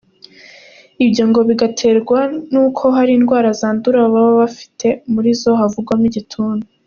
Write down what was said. Ibyo ngo bigaterwa n’uko hari indwara zandura baba bafite, muri zo havugamo igituntu.